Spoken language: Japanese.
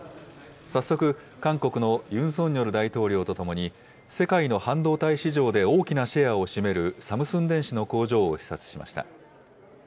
早速、韓国のユン・ソンニョル大統領と共に、世界の半導体市場で大きなシェアを占めるサムスン電子の工場を視察しました。